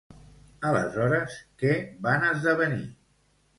Aleshores, què van esdevenir?